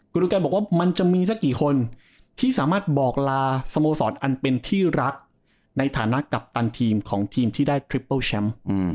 รุแกบอกว่ามันจะมีสักกี่คนที่สามารถบอกลาสโมสรอันเป็นที่รักในฐานะกัปตันทีมของทีมที่ได้ทริปเปิ้ลแชมป์